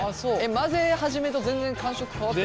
混ぜ始めと全然感触変わってくる？